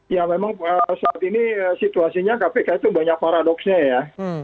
ya memang saat ini situasinya kpk itu banyak paradoksnya ya